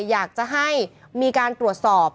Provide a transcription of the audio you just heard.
อยากจะให้มีการตรวจสอบ